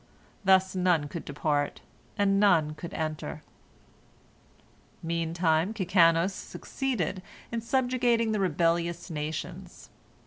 Thus none could depart, and none could enter. Meantime Kikanos succeeded in subjugating the rebellious nations.